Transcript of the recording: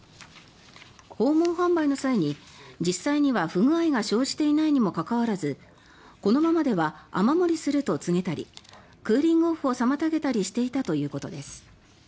訪問販売の際に実際には不具合が生じていないにもかかわらずこのままでは雨漏りすると告げたりクーリングオフを妨げたりしていたということです。